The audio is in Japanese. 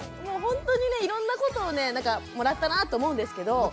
もうほんとにねいろんなことをねもらったなぁと思うんですけど。